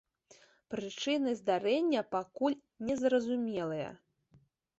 Прычыны здарэння пакуль незразумелыя.